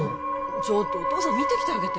ちょっとお父さん見てきてあげて・